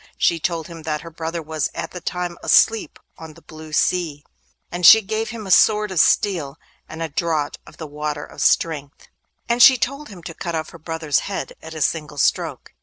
She told him that her brother was at that time asleep on the blue sea, and she gave him a sword of steel and a draught of the Water of Strength, and she told him to cut off her brother's head at a single stroke.